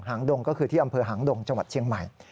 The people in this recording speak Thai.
หางดงก็คือที่อำเภอหางดงจังหวัดเชียงใหม่